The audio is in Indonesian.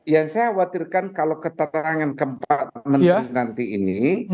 yang saya khawatirkan kalau ketetangan keempat menteri nanti ini